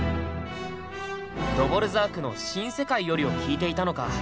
ドヴォルザークの「新世界より」を聴いていたのか。